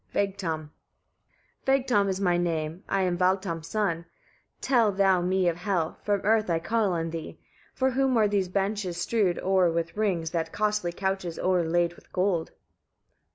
Vegtam. 11. "Vegtam is my name, I am Valtam's son. Tell thou me of Hel: from, earth I call on thee. For whom are those benches strewed o'er with rings, those costly couches o'erlaid with gold?"